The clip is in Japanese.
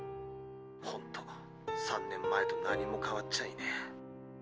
ほんと３年前と何も変わっちゃいねえ。